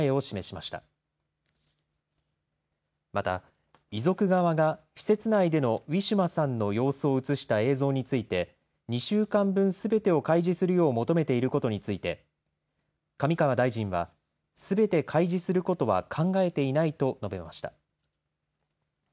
また遺族側が施設内でのウィシュマさんの様子を写した映像について２週間分すべてを開示するよう求めていることについて上川大臣はすべて開示することは考えていないと述べました。